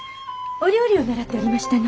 お料理を習っておりましたの。